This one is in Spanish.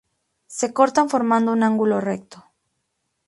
Se cortan formando un ángulo recto.